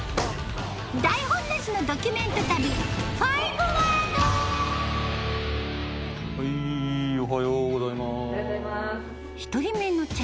台本なしのドキュメント旅おはようございます。